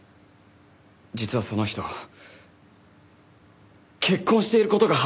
実はその人結婚している事が判明しまして。